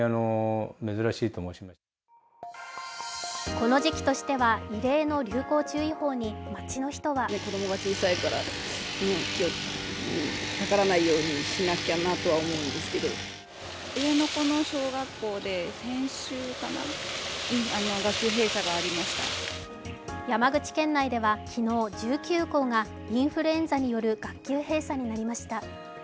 この時期としては異例の流行注意報に街の人は山口県内では昨日、１９校がインフルエンザによる学級閉鎖になりました。